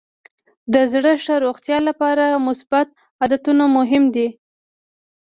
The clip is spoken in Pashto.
د زړه ښه روغتیا لپاره مثبت عادتونه مهم دي.